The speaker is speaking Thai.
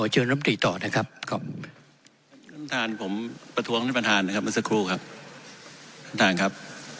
เชิญด้วยครับ